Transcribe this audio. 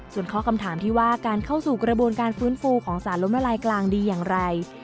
ส่วนข้อคำถามที่ว่าการเข้าสู่กระบวนการฟื้นฟูของสารล้มละลายกลางดีอย่างไร